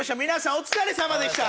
お疲れさまでした。